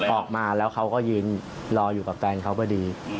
ออกมาแล้วเขาก็ยืนรออยู่กับแฟนเขาพอดี